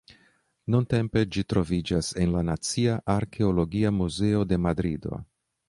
Nuntempe ĝi troviĝas en la Nacia Arkeologia Muzeo de Madrido.